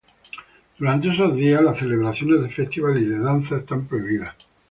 Durante estos días las celebraciones de festival y de danza están prohibidas.